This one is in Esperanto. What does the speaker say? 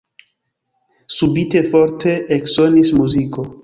Subite forte eksonis muziko.